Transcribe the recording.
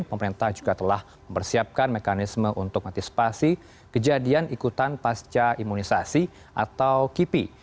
pemerintah juga telah mempersiapkan mekanisme untuk antisipasi kejadian ikutan pasca imunisasi atau kipi